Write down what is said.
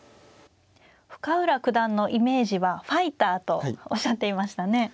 深浦九段のイメージはファイターとおっしゃっていましたね。